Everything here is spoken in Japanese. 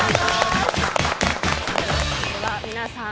皆さん